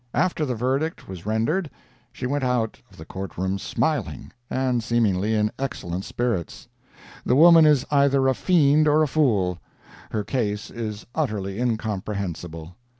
After the verdict was rendered, she went out of the Court room smiling, and seemingly in excellent spirits. The woman is either a fiend or a fool. Her case is utterly incomprehensible.